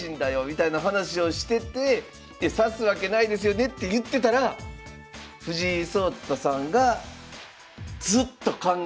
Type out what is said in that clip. みたいな話をしてて指すわけないですよねって言ってたら藤井聡太さんがずっと考え始めて。